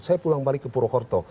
saya pulang balik ke purwokerto